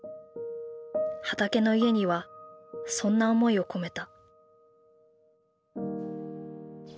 はたけのいえにはそんな思いを込めた。